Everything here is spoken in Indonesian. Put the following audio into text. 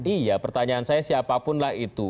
iya pertanyaan saya siapapun lah itu